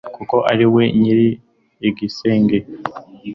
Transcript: kuko ariwe nyir' igisenge